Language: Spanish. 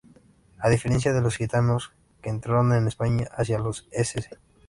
A diferencia de los gitanos, que entraron en España hacia los ss.